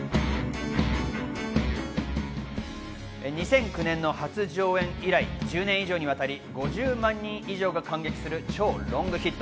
２００９年の初上演以来、１０年以上にわたり５０万人以上が感激する超ロングヒット。